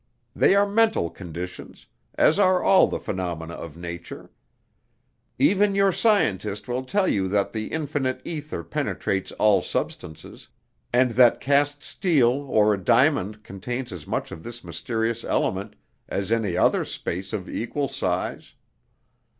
They are mental conditions, as are all the phenomena of nature. Even your scientist will tell you that the infinite ether penetrates all substances, and that cast steel or a diamond contains as much of this mysterious element as any other space of equal size.